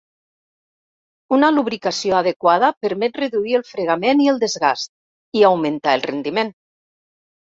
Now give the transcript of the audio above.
Una lubricació adequada permet reduir el fregament i el desgast, i augmentar el rendiment.